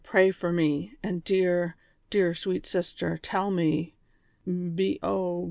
pray for me ; and dear, dear, sweet sister, tell me, b — o !